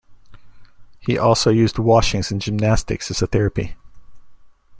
He also used washings and gymnastics as a therapy.